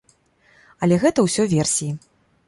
Але гэта ўсё версіі.